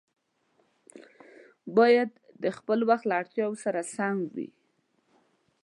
باید د خپل وخت له اړتیاوو سره سم وي.